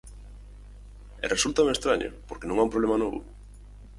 E resúltame estraño, porque non é un problema novo.